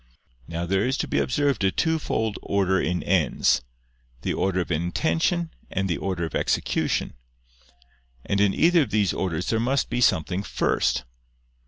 Now there is to be observed a twofold order in ends the order of intention and the order of execution: and in either of these orders there must be something first.